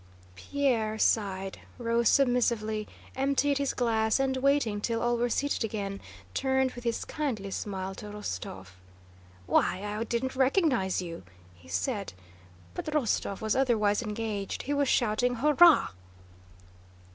Pierre sighed, rose submissively, emptied his glass, and, waiting till all were seated again, turned with his kindly smile to Rostóv. "Why, I didn't recognize you!" he said. But Rostóv was otherwise engaged; he was shouting "Hurrah!"